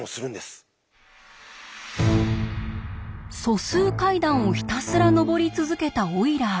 素数階段をひたすら上り続けたオイラー。